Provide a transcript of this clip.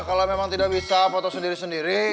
kalau memang tidak bisa foto sendiri sendiri